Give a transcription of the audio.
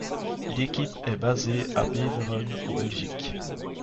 L'équipe est basée à Beveren en Belgique.